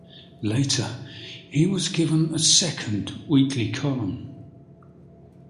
Later, he was given a second weekly column.